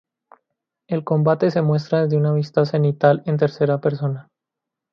El combate se muestra desde una vista cenital en tercera persona.